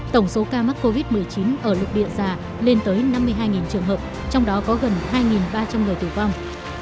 tổng số ca mắc covid một mươi chín ở lục địa già lên tới năm mươi hai trường hợp trong đó có gần hai ba trăm linh người tử vong